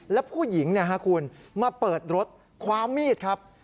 แล้วผู้หญิงคุณมาเปิดรถความมีดครับ